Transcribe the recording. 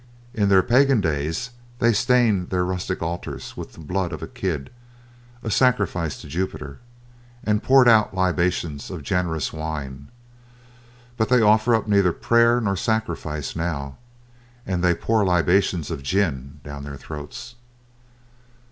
In their pagan days they stained their rustic altars with the blood of a kid, a sacrifice to Jupiter, and poured out libations of generous wine; but they offer up neither prayer nor sacrifice now, and they pour libations of gin down their throats.